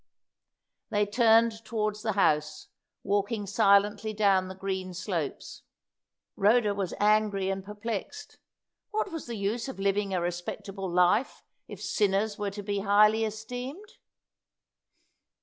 They turned towards the house, walking silently down the green slopes. Rhoda was angry and perplexed; what was the use of living a respectable life if sinners were to be highly esteemed?